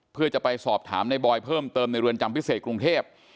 เพื่อจะไปสอบถามในบอยเพิ่มเติมในเรือนจำพิเศษกรุงเทพ